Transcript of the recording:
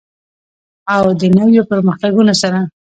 او د نویو پرمختګونو سره.